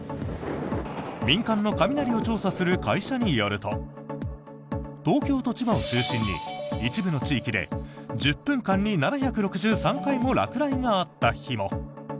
民間の雷を調査する会社によると東京と千葉を中心に一部の地域で１０分間に７６３回も落雷があった日も。